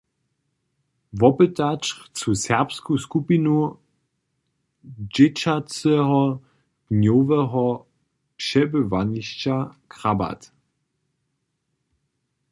Wopytać chcu serbsku skupinu dźěćaceho dnjoweho přebywanišća „Krabat“.